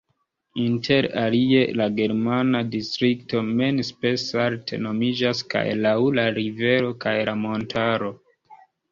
Inter alie la germana distrikto Main-Spessart nomiĝas kaj laŭ la rivero kaj la montaro.